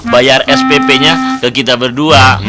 bayar spp nya ke kita berdua